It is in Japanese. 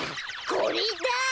これだ。